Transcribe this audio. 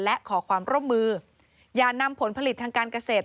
และขอความร่วมมืออย่านำผลผลิตทางการเกษตร